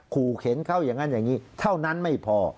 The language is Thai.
ขู่เข็นเขาอย่างนั้นอย่างนี้เท่านั้นไม่พอ